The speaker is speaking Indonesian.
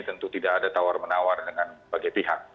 tentu tidak ada tawar menawar bagi pihak